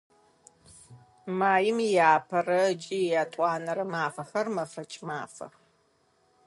Маим иапэрэ ыкӏи иятӏонэрэ мафэхэр мэфэкӏ мафэх.